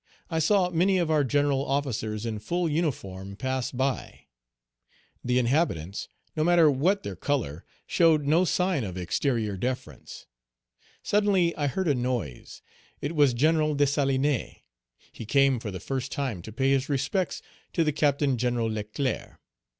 I saw many of our general officers in full uniform pass by; the inhabitants, no matter what their color, showed no sign of exterior deference. Suddenly I heard a noise, it was General Dessalines; he came for the first time Page 210 to pay his respects to the Captain General Leclerc.